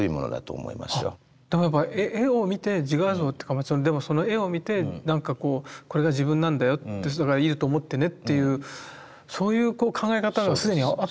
でもやっぱ絵を見て自画像というかその絵を見て何かこうこれが自分なんだよだからいると思ってねというそういう考え方が既にあったと。